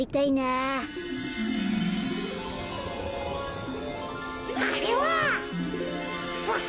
あれは！